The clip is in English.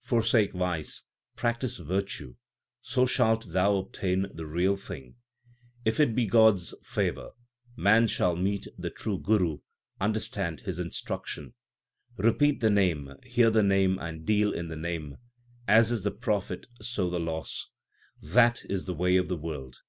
Forsake vice, practise virtue, so shalt thou obtain the Real Thing. If it be God s favour, man shall meet the true Guru, understand his instruction, Repeat the Name, hear the Name, and deal in the Name. As is the profit so the loss ; that is the way of the world.